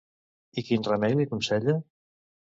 I quin remei li aconsella?